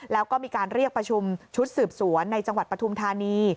แล้วก็มีการเรียกประชุมชุดสืบสวนในจังหวัดปฐุมธานี